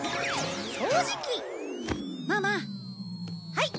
はい！